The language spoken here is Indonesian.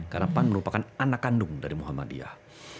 karena pan merupakan anak kandung dari muhammadiyah